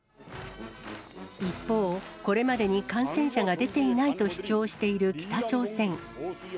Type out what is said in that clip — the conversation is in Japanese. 一方、これまでに感染者が出ていないと主張している北朝鮮。